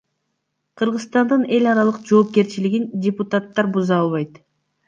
Кыргызстандын эл аралык жоопкерчилигин депутаттар буза албайт.